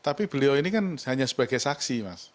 tapi beliau ini kan hanya sebagai saksi mas